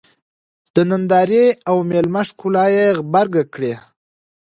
د نندارې او مېلمه ښکلا یې غبرګه کړې.